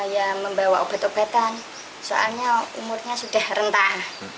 ya membawa obat obatan soalnya umurnya sudah rentan